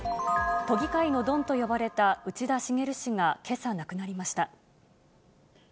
都議会のドンと呼ばれた内田茂氏が、けさ亡くなりました。